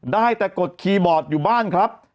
ได้แต่กดคีย์บอร์ดอยู่บ้านครับ